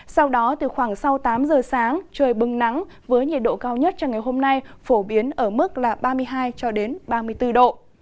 sau đó từ khoảng sau tám giờ sáng trời bưng nắng với nhiệt độ cao nhất cho ngày hôm nay phổ biến ở mức là ba mươi hai ba mươi bốn độ